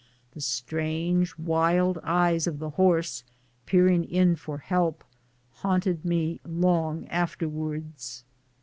The strange, wild eyes of the horse peering in for help, haunted me long af terwards.